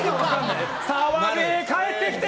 澤部、帰ってきて！